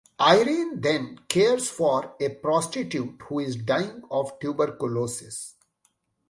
Irene then cares for a prostitute who is dying of tuberculosis.